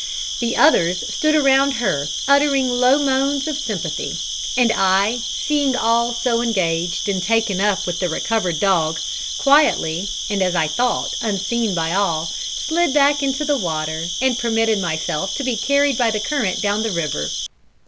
The others stood around her uttering low moans of sympathy, and I, seeing all so engaged and taken up with the recovered dog, quietly, and, as I thought, unseen by all, slid back into the water, and permitted myself to be carried by the current down the river.